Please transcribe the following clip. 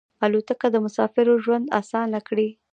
الوتکه د مسافرو ژوند اسانه کړی.